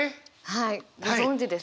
はいご存じです。